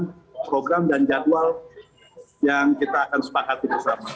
dan program dan jadwal yang kita akan sepakat bersama